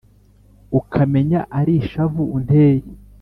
ukamenya ari ishavu unteye